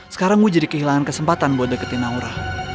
sekarang mau jadi kehilangan kesempatan buat deketin naura